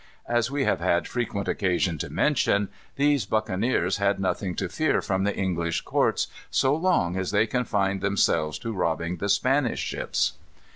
As we have had frequent occasion to mention, these buccaneers had nothing to fear from the English courts so long as they confined themselves to robbing the Spanish ships.